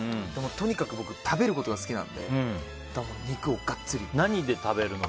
とにかく僕食べることが好きなので肉をガッツリ。